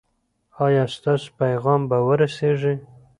ایا ستاسو پیغام به ورسیږي؟